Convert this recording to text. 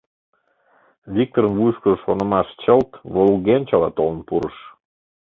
Викторын вуйышкыжо шонымаш чылт волгенчыла толын пурыш.